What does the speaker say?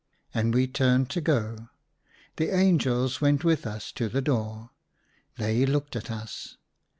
And we turned to go ; the angels went with us to the door. They looked at us.